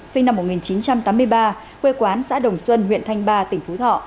sinh năm một nghìn chín trăm tám mươi ba quê quán xã đồng xuân huyện thanh ba tỉnh phú thọ